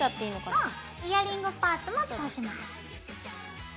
うんイヤリングパーツも通します。